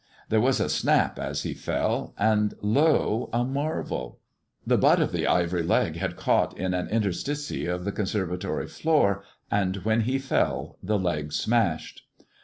There was a snap as he fell, and lo ! a marvel. The butt of the ivory leg had caught in an interstice of the conservatory floor, and when he fell the leg smashed.